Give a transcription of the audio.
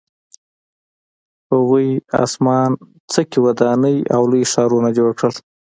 هغوی اسمان څکې ودانۍ او لوی ښارونه جوړ کړل